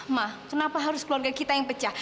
mah kenapa harus keluarga kita yang pecah